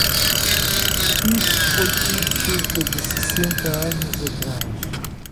Isso foi tudo cerca de sessenta anos atrás.